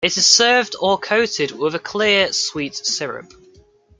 It is served or coated with a clear, sweet syrup.